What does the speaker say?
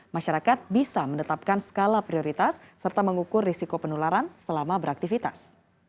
masyarakat bisa menetapkan skala prioritas serta mengukur risiko penularan selama beraktivitas